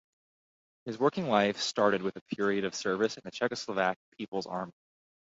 His working life started with a period of service in the Czechoslovak People's Army.